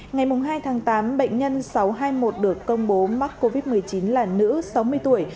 ngày hai tháng tám bệnh nhân sáu trăm hai mươi một được công bố mắc covid một mươi chín là nữ sáu mươi tuổi